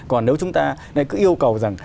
còn nếu chúng ta cứ yêu cầu rằng